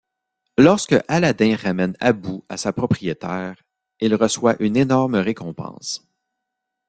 Lorsque Aladdin ramène Abu à sa propriétaire, il reçoit une énorme récompense.